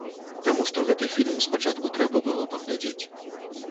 Таму што гэты фільм спачатку трэба было паглядзець.